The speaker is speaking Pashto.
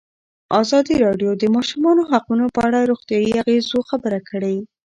ازادي راډیو د د ماشومانو حقونه په اړه د روغتیایي اغېزو خبره کړې.